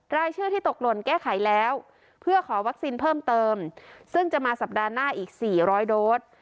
รายชื่อที่ตกหล่นแก้ไขแล้วเพื่อขอวัคซีนเพิ่มเติมซึ่งจะมาสัปดาห์หน้าอีก๔๐๐โดส